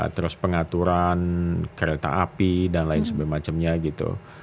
terus pengaturan kereta api dan lain sebagainya gitu